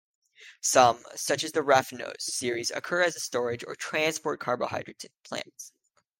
Some, such as the raffinose series, occur as storage or transport carbohydrates in plants.